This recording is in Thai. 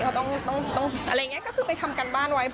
เขาต้องอะไรอย่างนี้ก็คือไปทำการบ้านไว้